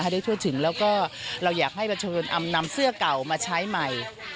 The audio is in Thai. ได้ทั่วถึงแล้วก็เราอยากให้ประชาชนนำเสื้อเก่ามาใช้ใหม่